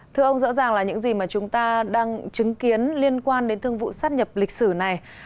thưa ông rõ ràng là những gì mà chúng ta đang chứng kiến liên quan đến thương vụ sát nhập lịch sử này